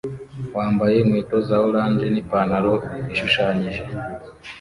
wambaye inkweto za orange nipantaro ishushanyije